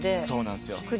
そうなんすよ。